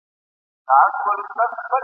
نه په ژمي نه په اوړي څوک آرام وو ..